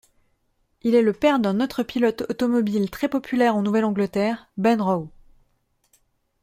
Il est le père d’un autre pilote automobile très populaire en Nouvelle-Angleterre, Ben Rowe.